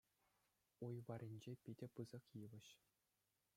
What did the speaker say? Уй варринче — питӗ пысӑк йывӑҫ.